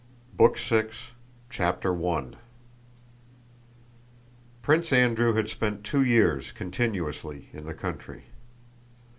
BOOK SIX: 1808 10 CHAPTER I Prince Andrew had spent two years continuously in the country.